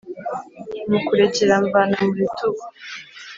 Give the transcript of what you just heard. Mu kurekera mvana mu gitugu